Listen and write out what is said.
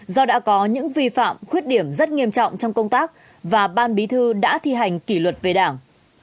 do đã có những vi phạm khuyết điểm rất nghiêm trọng trong công tác và ban bí thư đã thi hành kỷ luật về đảng